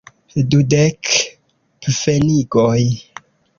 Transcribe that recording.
Dudek pfenigoj.